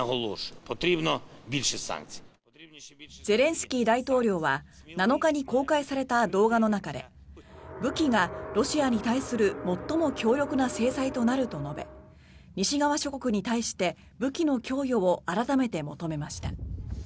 ゼレンスキー大統領は７日に公開された動画の中で武器がロシアに対する最も強力な制裁になると述べ西側諸国に対して武器の供与を改めて求めました。